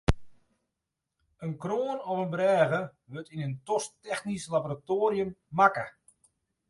In kroan of in brêge wurdt yn in tosktechnysk laboratoarium makke.